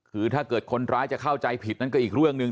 คือถ้าเกิดคนร้ายจะเข้าใจผิดนั่นก็อีกเรื่องหนึ่ง